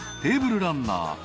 テーブルランナー。